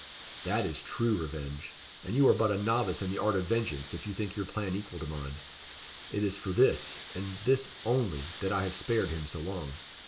That is true revenge; and you are but a novice in the art of vengeance if you think your plan equal to mine. It is for this and this only that I have spared him so long.